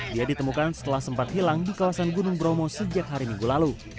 dia ditemukan setelah sempat hilang di kawasan gunung bromo sejak hari minggu lalu